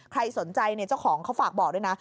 ใครสนใจเจ้าของเขาฝากบอกด้วยนะ